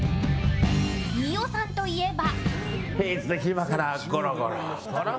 飯尾さんといえば。